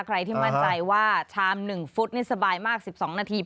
ใครที่มั่นใจว่าชาม๑ฟุตนี่สบายมาก๑๒นาที